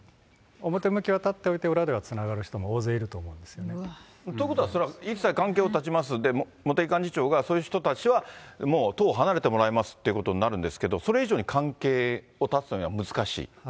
表向きは断っておいて裏ではつなということは、それは一切関係を断ちます、茂木幹事長はそういう人たちは、もう党を離れてもらいますってことになるんですけれども、それ以上に関係を断つのは難しい？